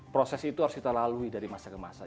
proses itu harus kita lalui dari masa ke masa